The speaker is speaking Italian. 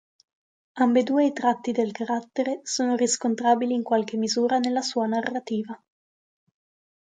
Ambedue i tratti del carattere sono riscontrabili in qualche misura nella sua narrativa.